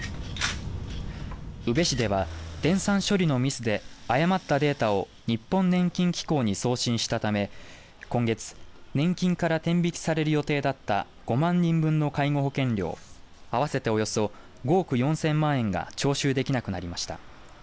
宇部市では電算処理のミスで誤ったデータを日本年金機構に送信したため今月、年金から天引きされる予定だった５万人分の介護保険料合わせておよそ５億４０００万円が徴収できなくなりました。